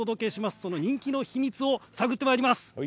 その人気の秘密探ってまいります。